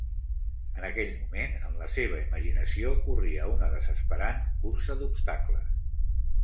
En aquell moment, en la seva imaginació, corria una desesperant cursa d'obstacles.